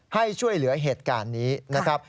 ให้ช่วยเหลือเหตุการณ์นี้นะครับ